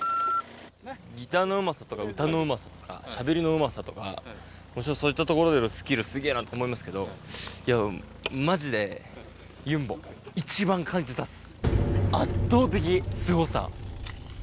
ギターのうまさとか歌のうまさとかしゃべりのうまさとかもちろんそういったところでのスキルすげぇなと思いますけどいやマジでユンボ一番感じたっす。